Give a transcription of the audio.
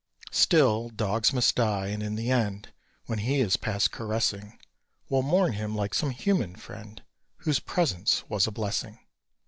Still, dogs must die; and in the end, When he is past caressing, We'll mourn him like some human friend Whose presence was a blessing.